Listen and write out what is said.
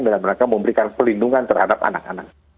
dan mereka memberikan pelindungan terhadap anak anak